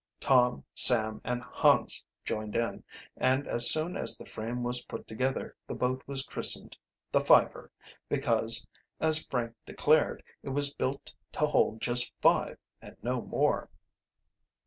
Tom, Sam, and Hans joined in, and as soon as the frame was put together the boat was christened the Fiver, because, as Frank declared, it was built to hold just five and no more.